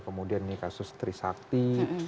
kemudian ini kasus trisakti